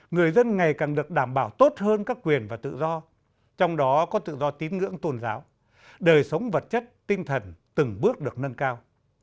người dân ngày càng được đảm bảo tốt hơn các quyền và tự do trong đó có tự do tín ngưỡng tôn giáo đời sống vật chất tinh thần từng bước được nâng cao